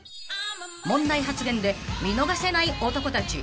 ［問題発言で見逃せない男たち